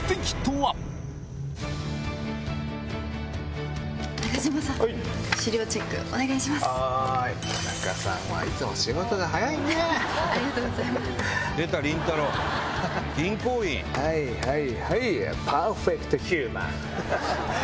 はいはいはい！